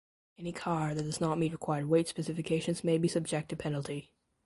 Any car that does not meet required weight specifications may be subject to penalty.